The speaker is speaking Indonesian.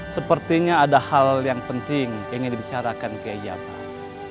sepertinya ada hal yang penting ingin dibicarakan kiai yabar